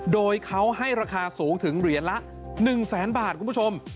โดยเขาให้ราคาสูงถึงเหรียญละ๑แสนบาทคุณผู้ชม